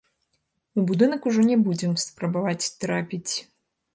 У будынак ужо не будзем спрабаваць трапіць.